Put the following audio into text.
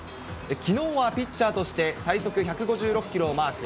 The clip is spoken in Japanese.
きのうはピッチャーとして、最速１５６キロをマーク。